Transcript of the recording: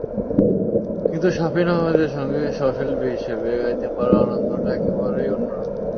কিন্তু শাফিন আহমেদের সঙ্গে সহশিল্পী হিসেবে গাইতে পারার আনন্দটা একেবারেই অন্য রকম।